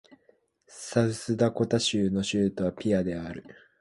サウスダコタ州の州都はピアである